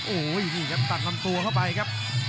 โอ้โหนี่ครับตัดลำตัวเข้าไปครับ